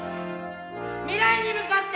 未来に向かって。